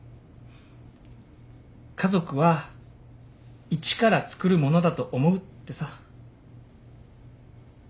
家族は一からつくるものだと思うってさ。